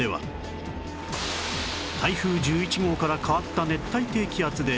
台風１１号から変わった熱帯低気圧で